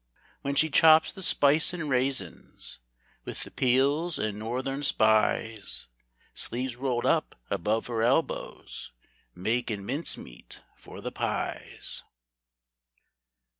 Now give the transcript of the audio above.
When she chops the spice an' raisins, With the peels an' Northern Spies, Sleeves rolled up above her elbows, Makin' mincemeat for the pies.